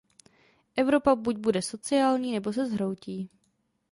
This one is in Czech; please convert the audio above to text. Evropa buď bude sociální, nebo se zhroutí.